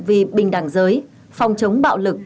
vì bình đẳng giới phòng chống bạo lực